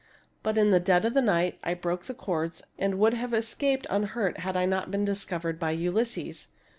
But in the dead of night I broke the cords and would have escaped unhurt had I not been dis covered by Ulysses.